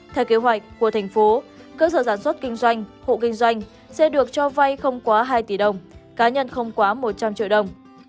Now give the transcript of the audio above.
theo kế hoạch của thành phố cơ sở sản xuất kinh doanh hộ kinh doanh sẽ được cho vay không quá hai tỷ đồng cá nhân không quá một trăm linh triệu đồng